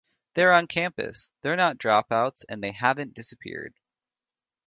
They're on campus, they're not dropouts and they haven't disappeared.